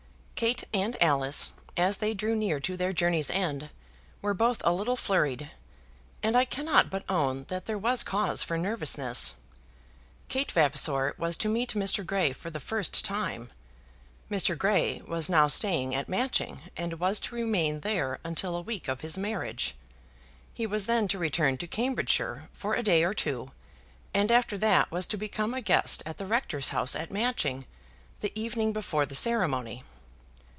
Kate and Alice, as they drew near to their journey's end, were both a little flurried, and I cannot but own that there was cause for nervousness. Kate Vavasor was to meet Mr. Grey for the first time. Mr. Grey was now staying at Matching and was to remain there until a week of his marriage. He was then to return to Cambridgeshire for a day or two, and after that was to become a guest at the rector's house at Matching the evening before the ceremony.